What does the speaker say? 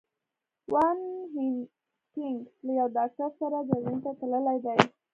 وان هینټیګ له یو ډاکټر سره جرمني ته تللي دي.